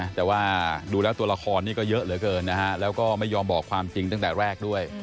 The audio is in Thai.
แต่ว่าดูแล้วตัวละครนี่ก็เยอะเหลือเกินนะฮะแล้วก็ไม่ยอมบอกความจริงตั้งแต่แรกด้วย